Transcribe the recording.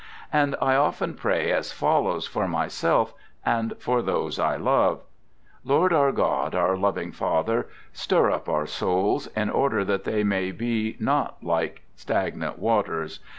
And I often pray as follows for myself and for those I love: I Lord, our God, our loving Father, stir up our souls in order that they may not be like stagnant waters.